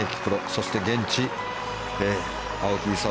そして、現地青木功